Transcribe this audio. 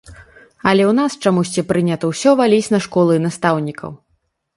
Але ў нас чамусьці прынята ўсё валіць на школу і настаўнікаў.